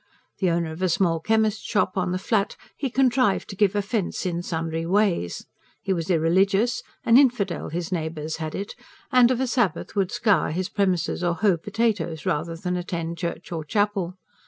The owner of a small chemist's shop on the Flat, he contrived to give offence in sundry ways: he was irreligious an infidel, his neighbours had it and of a Sabbath would scour his premises or hoe potatoes rather than attend church or chapel.